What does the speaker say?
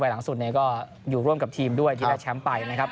๒สมัยหลังสุดก็อยู่ร่วมกับทีมด้วยที่รักแชมพ์ไปนะครับ